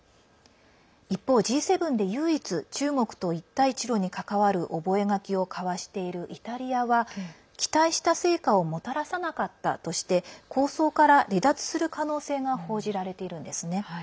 一方、Ｇ７で唯一中国と一帯一路に関わる覚書を交わしているイタリアは期待した成果をもたらさなかったとして構想から離脱する可能性が報じられているんですね。